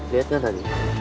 lihat ga tadi